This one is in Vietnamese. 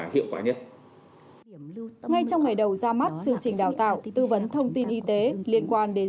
hiệu quả nhất ngay trong ngày đầu ra mắt chương trình đào tạo tư vấn thông tin y tế liên quan đến